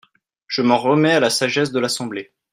Je m’en remets à la sagesse de l’Assemblée.